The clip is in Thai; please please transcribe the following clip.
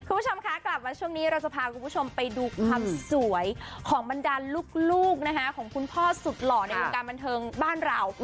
คุณผู้ชมคะกลับมาช่วงนี้เราจะพาคุณผู้ชมไปดูความสวยของบรรดาลลูกนะคะของคุณพ่อสุดหล่อในวงการบันเทิงบ้านเรา